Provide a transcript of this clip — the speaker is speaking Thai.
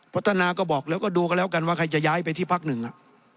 พัฒนาก็บอกแล้วก็ดูกันแล้วกันว่าใครจะย้ายไปที่พักหนึ่งอ่ะ